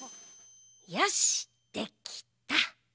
よしっできた！